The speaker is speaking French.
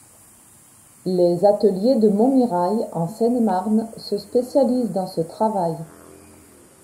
Les ateliers de Montmirail en Seine-et-Marne se spécialisent dans ce travail.